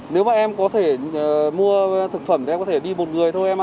nếu mà em có thể mua thực phẩm thì em có thể đi một người thôi em ạ